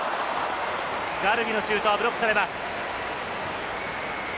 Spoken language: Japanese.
ガルビのシュートはブロックされます。